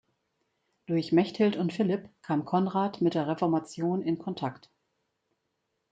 Durch Mechthild und Philipp kam Konrad mit der Reformation in Kontakt.